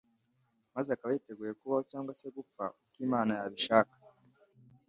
maze akaba yiteguye kubaho cyangwa se gupfa uko Imana yabishaka !